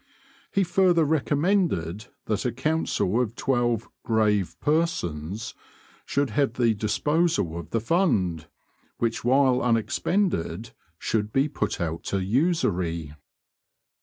He further recommended that a council of twelve "grave persons" should have the disposal of the fund, which while unexpended should be put out to usury.